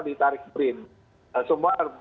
ditarik print semua